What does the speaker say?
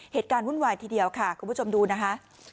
เหตุการณ์วุ่นวายทีเดียวค่ะคุณผู้ชมดูนะคะ